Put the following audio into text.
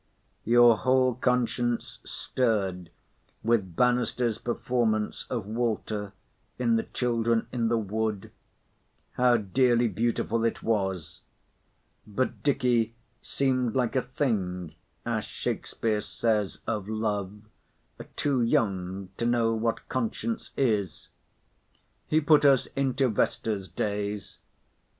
Your whole conscience stirred with Bannister's performance of Walter in the Children in the Wood—how dearly beautiful it was!—but Dicky seemed like a thing, as Shakspeare says of Love, too young to know what conscience is. He put us into Vesta's days.